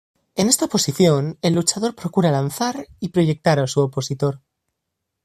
En esta posición el luchador procura lanzar y proyectar a su opositor.